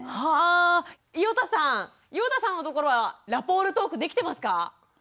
はあ伊與田さん！伊與田さんのところはラポールトークできてますか？